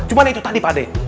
cuman itu tadi pak d